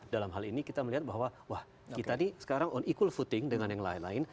dalam hal ini kita melihat bahwa wah kita nih sekarang on equal voting dengan yang lain lain